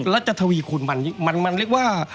แล้วจะถวีคุณมันอีกมันเรียกว่า